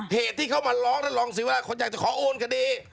เหตุที่เขามาร้องแล้วรองสิวะก็จะขอโอนคดี